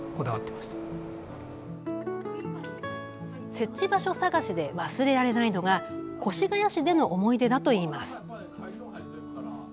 設置場所探しで忘れられないのが越谷市での思い出だといいます。